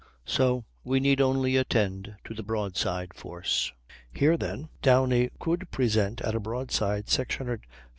So we need only attend to the broadside force. Here, then, Downie could present at a broadside 615 lbs.